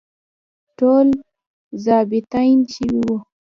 ټول ظابیطان شوي وو.